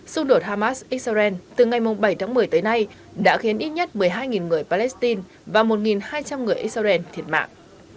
xung đột hamas israel từ ngày bảy tháng một mươi tới nay đã khiến ít nhất một mươi hai người palestine và một hai trăm linh người israel thiệt mạng